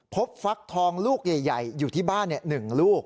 ฟักทองลูกใหญ่อยู่ที่บ้าน๑ลูก